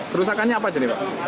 berusakannya apa jadi pak